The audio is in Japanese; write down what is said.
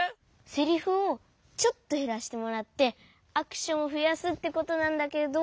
セリフをちょっとへらしてもらってアクションをふやすってことなんだけど。